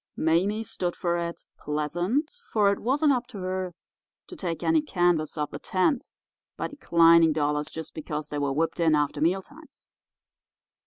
Mame stood for it, pleasant, for it wasn't up to her to take any canvas off the tent by declining dollars just because they were whipped in after meal times.